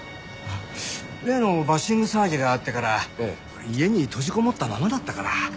例のバッシング騒ぎがあってから家に閉じこもったままだったから。